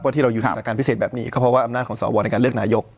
ผู้พูดขนาดพิเศษแบบนี้ก็เพราะอำนาจของสอวในการเลือกนายก